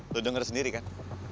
lo denger sendiri kan